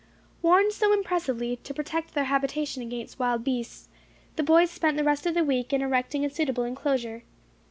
Warned so impressively to protect their habitation against wild beasts, the boys spent the rest of the week in erecting a suitable enclosure.